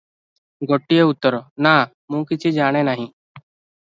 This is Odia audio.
ଗୋଟିଏ ଉତ୍ତର, "ନା, ମୁଁ କିଛି ଜାଣେ ନାହିଁ ।"